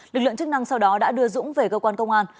lực lượng chức năng sau đó đã đưa dũng về cơ quan công an